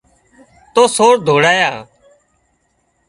تو سور ڌوڙيا